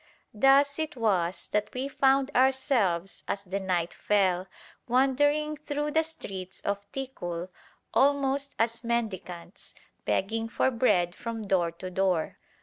Thus it was that we found ourselves as the night fell wandering through the streets of Ticul, almost as mendicants, begging for bread from door to door.